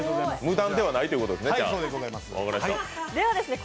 無断ではないということですね。